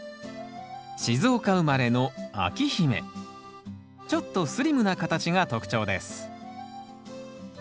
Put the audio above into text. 静岡生まれのちょっとスリムな形が特徴です